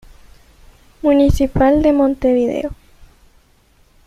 Municipal de Montevideo.